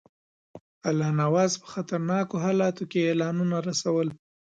الله نواز په خطرناکو حالاتو کې اعلانونه رسول.